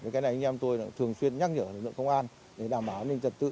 cái này anh em tôi thường xuyên nhắc nhở lực lượng công an để đảm bảo an ninh trật tự